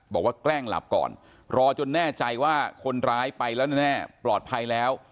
แกล้งหลับก่อนรอจนแน่ใจว่าคนร้ายไปแล้วแน่ปลอดภัยแล้ว